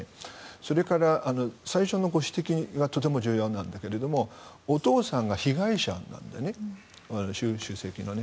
それから最初のご指摘がとても重要なんだけどお父さんが被害者なんでね習主席のね。